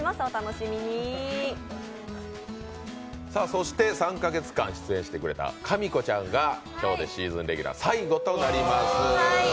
そして３か月間出演してくれた、かみこちゃんが、今日でシーズンレギュラー最後となります。